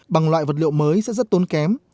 bằng loại vật liệu mới sẽ rất tốn kém